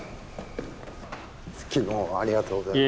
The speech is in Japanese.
昨日はありがとうございました。